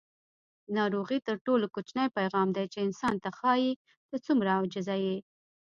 ناروغي تر ټولو کوچنی پیغام دی چې انسان ته ښایي: ته څومره عاجزه یې.